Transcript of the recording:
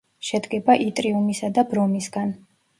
შედგება იტრიუმისა და ბრომისგან.